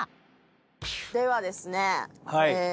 ではですね。